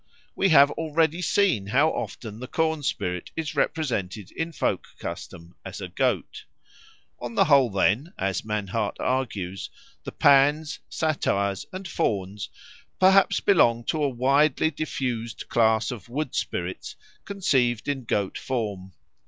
We have already seen how often the corn spirit is represented in folk custom as a goat. On the whole, then, as Mannhardt argues, the Pans, Satyrs, and Fauns perhaps belong to a widely diffused class of wood spirits conceived in goat form.